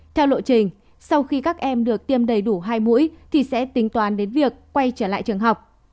theo lộ trình sau khi các em được tiêm đầy đủ hai mũi thì sẽ tính toán đến việc quay trở lại trường học